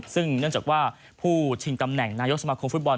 ซึ่งเนื่องจากว่าผู้ชิงตำแหน่งนายกสมาคมฟุตบอล